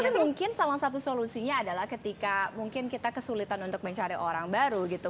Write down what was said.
tapi mungkin salah satu solusinya adalah ketika mungkin kita kesulitan untuk mencari orang baru gitu